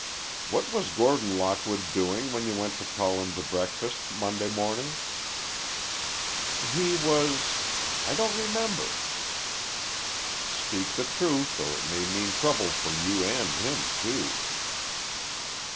"What was Gordon Lockwood doing, when you went to call him to breakfast, Monday morning?" "He was—I don't remember." "Speak the truth—or it may be mean trouble for you and him, too."